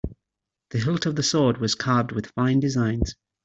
The hilt of the sword was carved with fine designs.